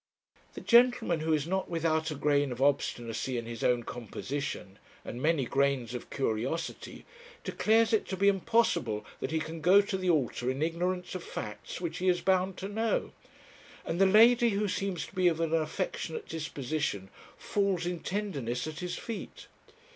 'The gentleman, who is not without a grain of obstinacy in his own composition and many grains of curiosity, declares it to be impossible that he can go to the altar in ignorance of facts which he is bound to know, and the lady, who seems to be of an affectionate disposition, falls in tenderness at his feet.